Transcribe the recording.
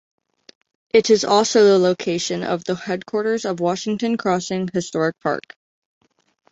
It is also the location of the headquarters of Washington Crossing Historic Park.